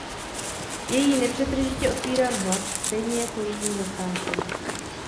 Je jí nepřetržitě odpírán hlas, stejně jako jejím zastáncům.